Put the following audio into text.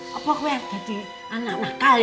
kok gue jadi anak nakal ya